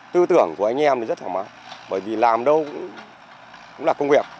tư tưởng của anh em thì rất thoải mái bởi vì làm đâu cũng là công việc